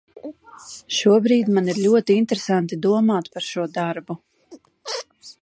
Šobrīd man ir ļoti interesanti domāt par šo darbu.